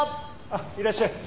あっいらっしゃい。